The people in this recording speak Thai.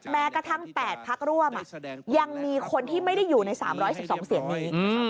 แม้กระทั่ง๘พักร่วมยังมีคนที่ไม่ได้อยู่ใน๓๑๒เสียงนี้